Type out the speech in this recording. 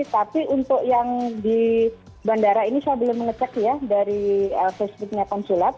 tapi untuk yang di bandara ini saya belum mengecek ya dari facebooknya konsulat